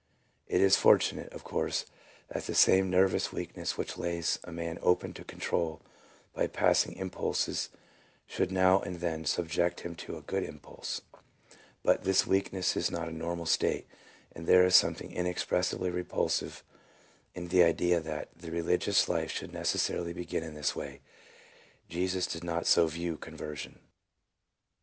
It is fortunate, of course, that the same nervous weakness which lays a man open to control by passing impulses should now and then subject him to a good impulse; but this weakness is not a normal state, and there is something inexpressibly repulsive in the idea that the religious life should necessarily begin in this way. Jesus did not so view conversion."